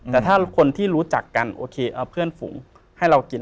แต่ถ้าคนที่รู้จักกันโอเคเอาเพื่อนฝูงให้เรากิน